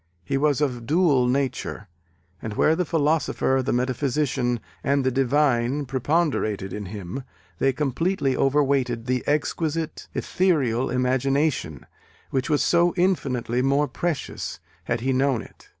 He was of dual nature, and where the philosopher, the metaphysician and the divine preponderated in him, they completely over weighted the exquisite, ethereal imagination, which was so infinitely more precious, had he known it.